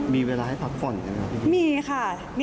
มีเวลาให้พักฝนใช่ไหมครับพี่นิ้ว